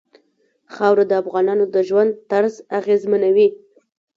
خاوره د افغانانو د ژوند طرز اغېزمنوي.